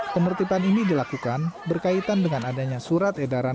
penertiban ini dilakukan berkaitan dengan adanya surat edaran